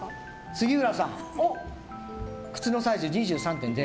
杉浦さん、靴のサイズ２３．０。